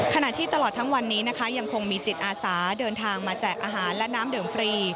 ขณะที่ตลอดทั้งวันนี้นะคะยังคงมีจิตอาสาเดินทางมาแจกอาหารและน้ำดื่มฟรี